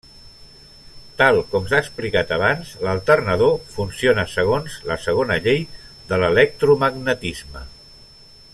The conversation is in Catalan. Tal com s'ha explicat abans, l'alternador funciona segons la segona llei de l'electromagnetisme.